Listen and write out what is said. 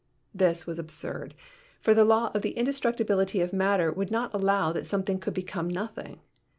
This was absurd, for the law of the indestructibility of matter would not allow that something could become nothing.